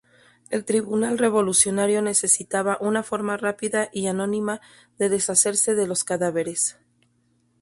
El Tribunal Revolucionario necesitaba una forma rápida y anónima de deshacerse de los cadáveres.